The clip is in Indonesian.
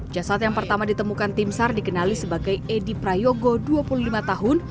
jasad yang pertama ditemukan tim sar dikenali sebagai edi prayogo dua puluh lima tahun